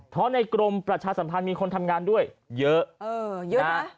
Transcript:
เพราะในกรมประชาสัมพันธ์มีคนทำงานด้วยเยอะนะ